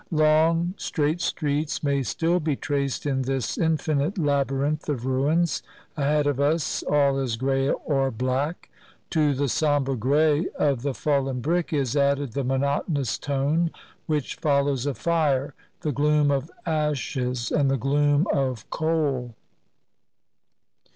Long straight streets may still be traced in this in finite labyrinth of ruins; ahead of us all is gray or black; to the somber gray of the fallen brick is added the monotonous tone which follows a fire, — the gloom of ashes and the gloom of coal.